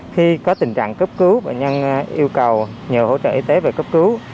khi có tình trạng cấp cứu bệnh nhân yêu cầu nhờ hỗ trợ y tế về cấp cứu